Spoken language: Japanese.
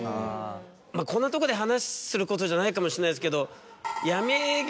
こんなとこで話すことじゃないかもしれないですけど。